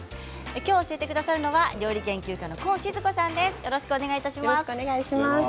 きょう教えてくださるのは料理研究家のコウ静子さんです。